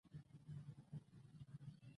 اسرائيليانو آرامي او کلداني ژبې سره گډې کړې.